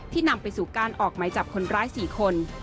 นำไปสู่การออกหมายจับคนร้าย๔คน